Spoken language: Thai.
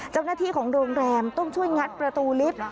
เจ้าหน้าที่ของโรงแรมต้องช่วยงัดประตูลิฟต์